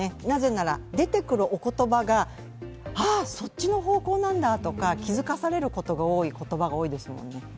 なぜなら、出てくるお言葉があぁ、そっちの方向なんだとか気付かされることが多い言葉が多いですもんね。